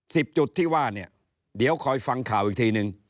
จุดที่ว่าเนี่ยเดี๋ยวคอยฟังข่าวอีกทีนึง